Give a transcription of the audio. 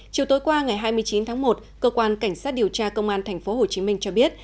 chiều tối qua ngày hai mươi chín tháng một cơ quan cảnh sát điều tra công an tp hcm cho biết